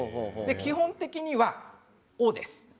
基本的には「オ」です。